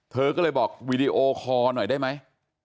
เธอก็เลยบอกวีดีโอคอร์หน่อยได้ไหม